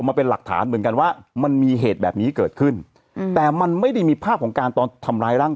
มาเป็นหลักฐานเหมือนกันว่ามันมีเหตุแบบนี้เกิดขึ้นแต่มันไม่ได้มีภาพของการตอนทำร้ายร่าง